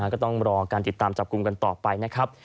ก็ต้องรอการติดตามจับกลุ่มกันต่อไปนะครับ